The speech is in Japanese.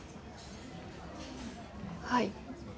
はい。